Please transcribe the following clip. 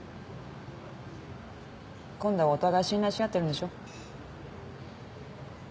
今度はお互い信頼し合ってるんでしょ？